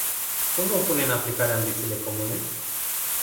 Cum vom pune în aplicare ambițiile comune?